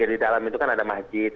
di dalam itu kan ada masjid